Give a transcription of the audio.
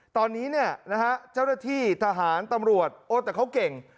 ตอนนี้เนี่ยนะฮะเจ้าหน้าที่ทหารตำรวจโอ้แต่เขาเก่ง